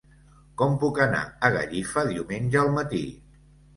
Com puc anar a Gallifa diumenge al matí?